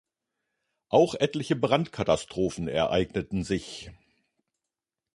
Auch etliche Brandkatastrophen ereigneten sich.